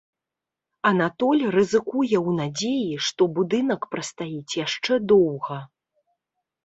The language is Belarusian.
Анатоль рызыкуе ў надзеі, што будынак прастаіць яшчэ доўга.